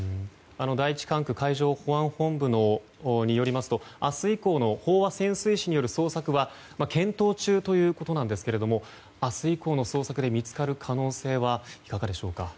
第１管区海上保安本部によりますと明日以降の飽和潜水士による捜索は検討中ということなんですけれど明日以降の捜索で見つかる可能性はいかがでしょうか？